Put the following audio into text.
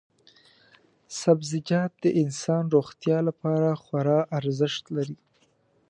سبزیجات د انسان روغتیا لپاره خورا ارزښت لري.